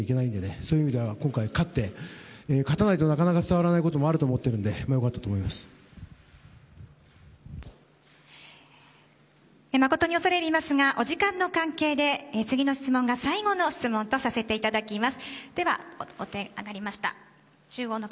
そういう意味では今回、勝って勝たないとなかなか伝わらないこともあると思うので誠に恐れ入りますがお時間の関係で次の質問が最後の質問とさせていただきます。